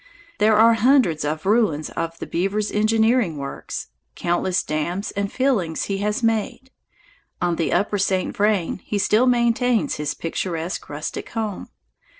There are hundreds of ruins of the beaver's engineering works. Countless dams and fillings he has made. On the upper St. Vrain he still maintains his picturesque rustic home.